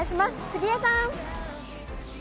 杉江さん。